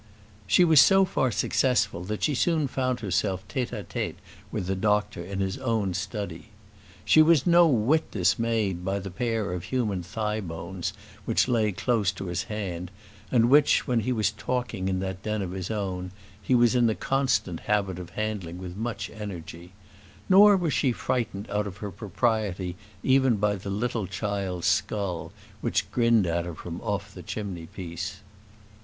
She was so far successful that she soon found herself tête à tête with the doctor in his own study. She was no whit dismayed by the pair of human thigh bones which lay close to his hand, and which, when he was talking in that den of his own, he was in the constant habit of handling with much energy; nor was she frightened out of her propriety even by the little child's skull which grinned at her from off the chimney piece.